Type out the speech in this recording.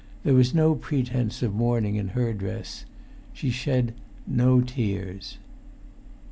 There was no pretence of mourning in her dress. She shed no tears.